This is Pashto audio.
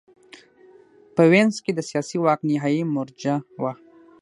په وینز کې د سیاسي واک نهايي مرجع وه